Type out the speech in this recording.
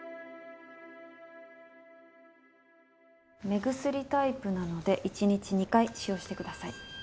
目薬タイプなので１日２回使用してください。